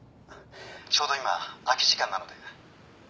ちょうど今空き時間なので。